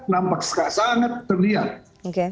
nampak sangat terlihat